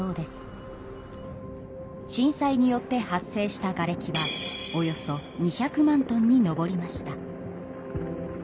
震災によって発生したがれきはおよそ２００万トンに上りました。